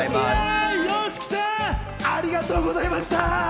ＹＯＳＨＩＫＩさん、ありがとうございました。